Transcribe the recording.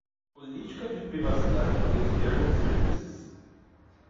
Políticas de privacidade e os termos de serviços